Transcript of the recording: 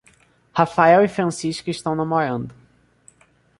Rafael e Francisca estão namorando.